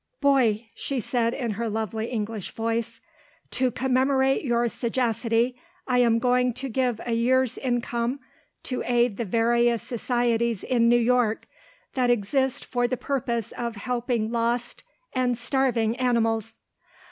"Boy," she said in her lovely English voice, "to commemorate your sagacity, I am going to give a year's income to aid the various societies in New York that exist for the purpose of helping lost and starving animals."